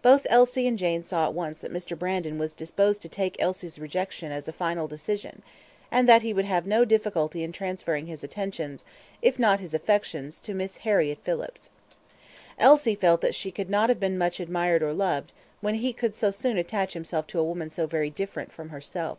Both Elsie and Jane saw at once that Mr. Brandon was disposed to take Elsie's rejection as a final decision, and that he would have no difficulty in transferring his attentions, if not his affections to Miss Harriett Phillips. Elsie felt that she could not have been much admired or loved, when he could so soon attach himself to a woman so very different from herself.